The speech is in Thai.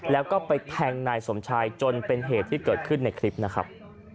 แล้วก็ไปแทงนายสมชายจนเป็นเหตุที่เกิดขึ้นในคลิปนะครับ